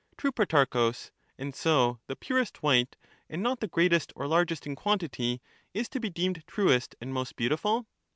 True, Protarchus ; and so the purest white, and not the greatest or largest in quantity, is to be deemed truest and most beautiful?